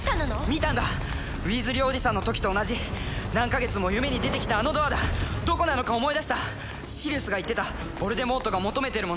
見たんだウィーズリーおじさんの時と同じ何カ月も夢に出てきたあのドアだどこなのか思い出したシリウスが言ってたヴォルデモートが求めてるもの